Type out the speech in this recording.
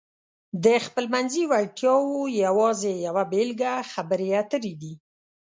د خپلمنځي وړتیاو یوازې یوه بېلګه خبرې اترې دي.